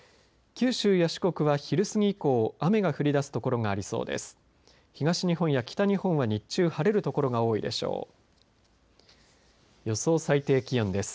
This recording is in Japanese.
九州や四国は昼過ぎ以降雨が降りだす所がありそうです。